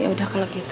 ya udah kalau gitu